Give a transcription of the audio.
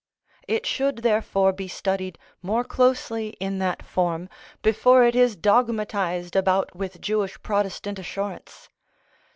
It should therefore be studied more closely in that form before it is dogmatised about with Jewish Protestant assurance.